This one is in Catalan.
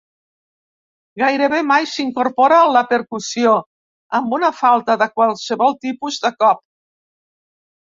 Gairebé mai s'incorpora la percussió, amb una falta de qualsevol tipus de cop.